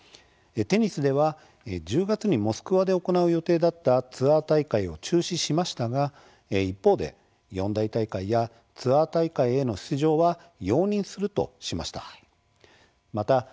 テニスでは、１０月にモスクワで行う予定だったツアー大会を中止しましたが一方で四大大会やツアー大会への出場は容認するとしました。